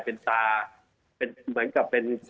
เป็นตาเป็นเหมือนกับเป็น